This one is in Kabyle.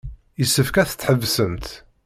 Yessefk ad t-tḥebsemt.